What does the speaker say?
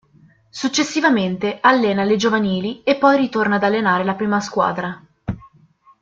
Successivamente allena le giovanili e poi ritorna ad allenare la prima squadra.